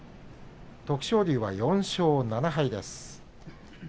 徳勝龍は４勝７敗です。